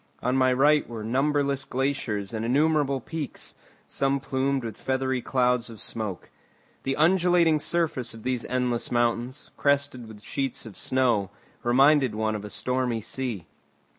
On my right were numberless glaciers and innumerable peaks, some plumed with feathery clouds of smoke. The undulating surface of these endless mountains, crested with sheets of snow, reminded one of a stormy sea.